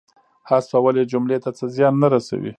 حذفول یې جملې ته څه زیان نه رسوي.